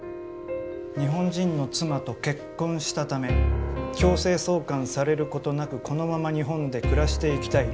日本人の妻と結婚したため強制送還されることなくこのまま日本で暮らしていきたい。